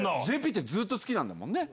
ＪＰってずっと好きなんだもんね。